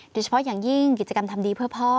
โดยเฉพาะอย่างยิ่งกิจกรรมทำดีเพื่อพ่อ